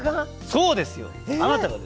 そうですよあなたがですよ。